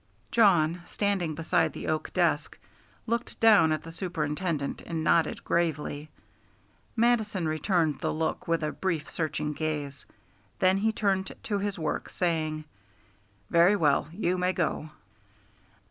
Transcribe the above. Jawn, standing beside the oak desk, looked down at the Superintendent and nodded gravely. Mattison returned the look with a brief searching gaze, then he turned to his work, saying, "Very well, you may go."